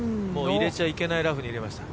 入れちゃいけないラフに入れました。